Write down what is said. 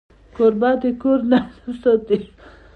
کوربه د کور نظم ساتي.